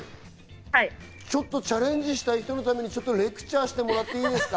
ちょっとチャレンジしたい人のためにレクチャーしてもらっていいですか。